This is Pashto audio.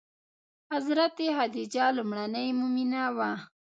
حضرت خدیجه لومړنۍ مومنه وه.